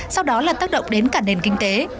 sau đó là tác động đến cả nền kinh tế